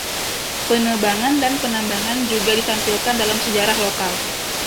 Penebangan dan penambangan juga ditampilkan dalam sejarah lokal.